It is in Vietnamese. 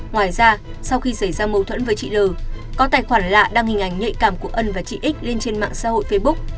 ngoài ra sau khi xảy ra mâu thuẫn với chị l có tài khoản lạ đăng hình ảnh nhạy cảm của ân và chị x lên trên mạng xã hội facebook